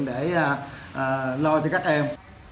để lo cho các em